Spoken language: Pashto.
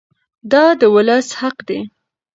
دا د ولس حق دی.